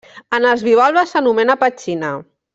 En els bivalves s'anomena petxina.